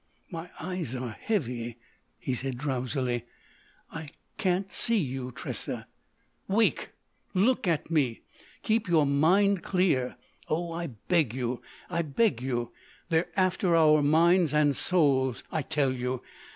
"My eyes are heavy," he said drowsily. "I can't see you, Tressa——" "Wake! Look at me! Keep your mind clear. Oh, I beg you—I beg you! They're after our minds and souls, I tell you!